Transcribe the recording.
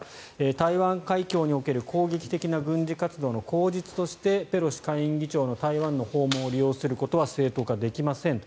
台湾海峡における攻撃的な軍事活動の口実としてペロシ下院議長の台湾訪問を利用することは正当化できません。